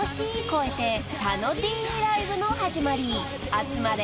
［集まれ！